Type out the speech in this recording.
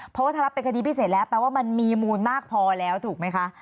เพราะว่าถ้ารับเป็นคดีพิเศษแล้วแปลว่ามันมีมูลมากพอแล้วถูกไหมคะ